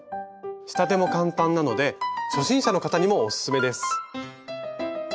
仕立ても簡単なので初心者の方にもオススメです。